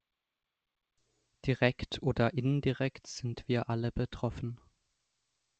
Direkt oder indirekt sind wir alle betroffen.